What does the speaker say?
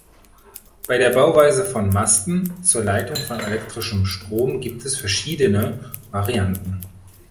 Bei der Bauweise von Masten zur Leitung von elektrischem Strom gibt es verschiedene Varianten.